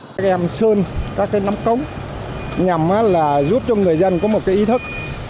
các em sơn các cái nắp cống nhằm là giúp cho người dân có một cái ý thức